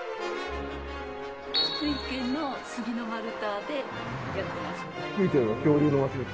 福井県の杉の丸太でやってます。